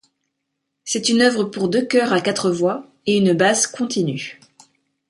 C'est une œuvre pour deux chœurs à quatre voix, et une basse continue.